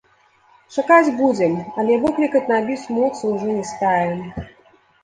Чакаць будзем, але выклікаць на біс моцы ўжо не стае.